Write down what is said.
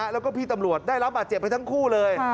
แล้วก็พี่ตำรวจได้รับบาดเจ็บไปทั้งคู่เลย